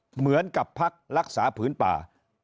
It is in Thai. เหมือนกับพักรักษาผืนป่า